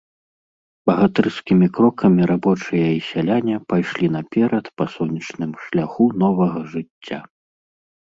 Багатырскімі крокамі рабочыя і сяляне пайшлі наперад па сонечным шляху новага жыцця.